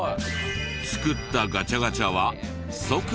作ったガチャガチャは即完売。